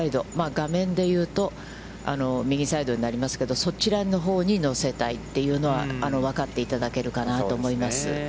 画面で言うと、右サイドになりますけど、そちらのほうに乗せたいというのは、わかっていただけるかなと思います。